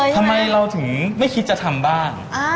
ทำไมเราถึงไม่คิดจะทำบ้าง